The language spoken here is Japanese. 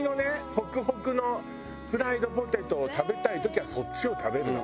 ホクホクのフライドポテトを食べたい時はそっちを食べるの。